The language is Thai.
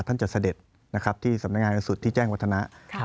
ท่านจัดเสด็จที่สำนักงานศูชย์ที่แจ้งวัฒนา